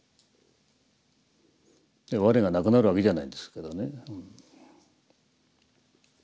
我がなくなるわけじゃないんですけどね。